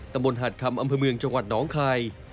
ตำบลหาดคำอำเภอเมืองจังหวัดน้องคาย